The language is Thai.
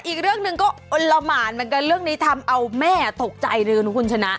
อีกเรื่องหนึ่งก็อ้นละหมานเหมือนกันเรื่องนี้ทำเอาแม่ตกใจเลยนะคุณชนะ